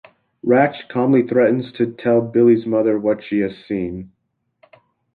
Ratched calmly threatens to tell Billy's mother what she has seen.